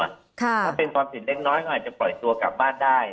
รีบควบคุมตัวถ้าเป็นความผิดเล็กน้อยอาจจะปล่อยตัวกลับมาบ้านได้